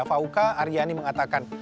fauka aryani mengatakan